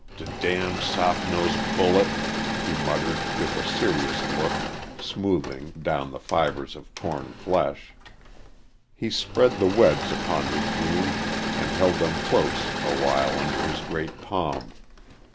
"D damn soft nose bullet!" he muttered, with a serious look, smoothing, down the fibres of torn flesh. He spread the webs upon his wound, and held them close awhile under his great palm.